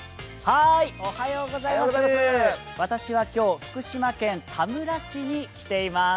私は今日、福島県田村市に来ています。